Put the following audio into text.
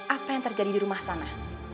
apa yang terjadi di rumah sana